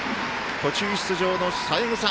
途中出場の三枝。